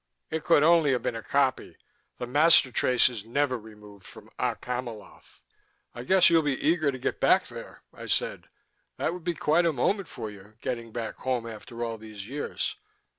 "It could only have been a copy. The master trace is never removed from Okk Hamiloth." "I guess you'll be eager to get back there," I said. "That'll be quite a moment for you, getting back home after all these years.